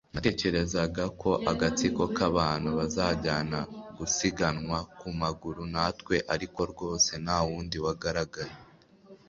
Natekerezaga ko agatsiko kabantu bazajyana gusiganwa ku maguru natwe ariko rwose ntawundi wagaragaye